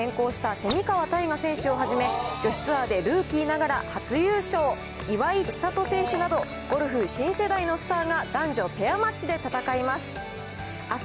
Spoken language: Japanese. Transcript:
蝉川泰果選手をはじめ、女子ツアーでルーキーながら初優勝、岩井千怜選手など、ゴルフ新世代のスターが、男女ペアマッチで戦います。